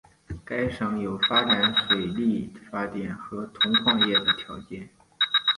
该省有发展水力发电和铜矿业的条件。